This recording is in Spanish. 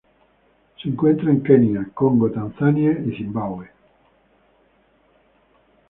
Se encuentra en Kenia Congo Tanzania y Zimbabue.